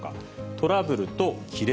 トラブルと亀裂。